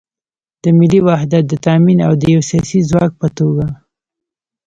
د ملي وحدت د تامین او د یو سیاسي ځواک په توګه